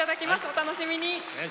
お楽しみに。